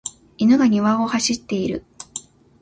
犬が庭を走っている。